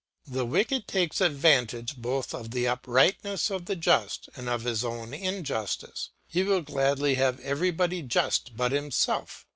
The wicked takes advantage both of the uprightness of the just and of his own injustice; he will gladly have everybody just but himself.